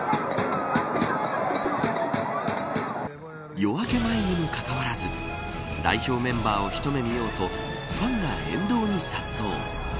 夜明け前にもかかわらず代表メンバーを一目見ようとファンが沿道に殺到。